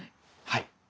はい。